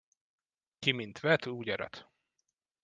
Ki mint vet, úgy arat.